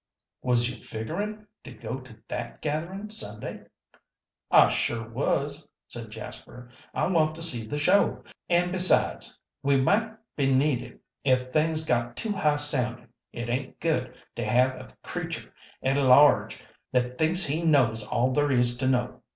"Was you figgerin' to go to that gatherin' Sunday?" "I sure was," said Jasper. "I want to see the show, an', besides, we might be needed ef things got too high soundin'. It ain't good to have a creature at large that thinks he knows all there is to know.